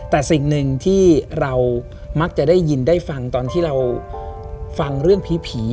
แต่สิ่งหนึ่งที่เรามักจะได้ยินได้ฟังตอนที่เราฟังเรื่องผี